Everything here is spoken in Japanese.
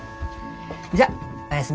じゃおやすみ。